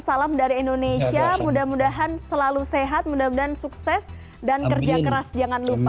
salam dari indonesia mudah mudahan selalu sehat mudah mudahan sukses dan kerja keras jangan lupa